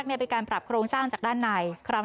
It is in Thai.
ทำอย่างสวยชาตินี้ค่ะ